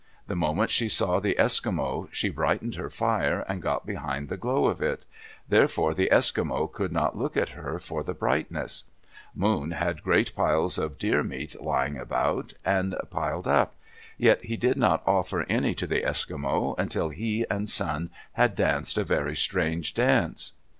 The moment she saw the Eskimo, she brightened her fire and got behind the glow of it, therefore the Eskimo could not look at her for the brightness. Moon had great piles of deer meat lying about, and piled up; yet he did not offer any to the Eskimo until he and Sun had danced a very strange dance.